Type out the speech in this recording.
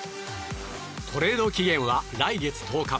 トレード期限は来月１０日。